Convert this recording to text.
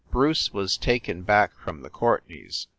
Bruce was taken back from the Courtenays.